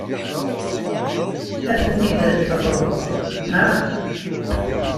Ad ten-id-tafeḍ, naɣ?